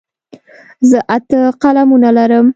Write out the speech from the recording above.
زه اته قلمونه لرم.